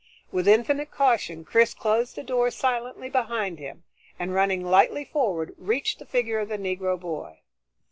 With infinite caution Chris closed the door silently behind him, and running lightly forward, reached the figure of the Negro boy.